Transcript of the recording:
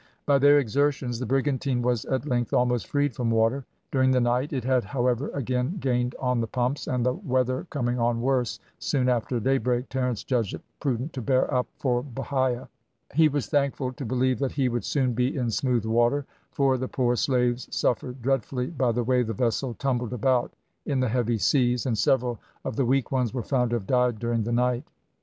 By their exertions the brigantine was at length almost freed from water. During the night it had, however, again gained on the pumps, and the weather coming on worse soon after daybreak Terence judged it prudent to bear up for Bahia. He was thankful to believe that he would soon be in smooth water, for the poor slaves suffered dreadfully by the way the vessel tumbled about in the heavy seas, and several of the weak ones were found to have died during the night.